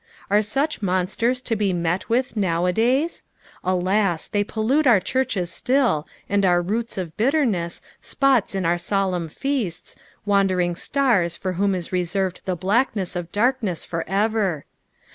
Are such monsters to be met with nowadays ? Alas ! tliey pollute our churches still, and are roots of bitteiness, spots in our solemn feasia, wandering stare for whom is reserved the btackness of darkness for ever.